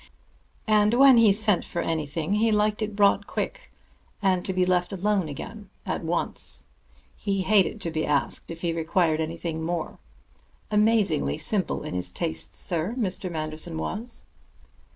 And when he sent for anything, he liked it brought quick, and to be left alone again at once. He hated to be asked if he required anything more. Amazingly simple in his tastes, sir, Mr. Manderson was."